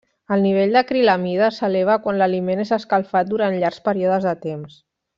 El nivell d’acrilamida s’eleva quan l’aliment és escalfat durant llargs períodes de temps.